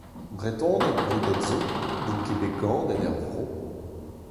Bretoned brudet zo n'int ket bet ganet er vro.